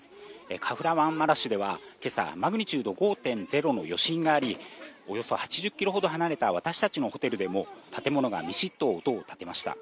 カフラマンマラシュではけさ、マグニチュード５．０の余震があり、およそ８０キロほど離れた私たちのホテルでも、建物がみしっと音を立てました。